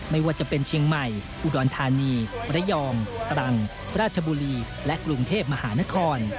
ไม่ว่าจะเป็นเชียงใหม่อุดรธานีระยองตรังราชบุรีและกรุงเทพมหานคร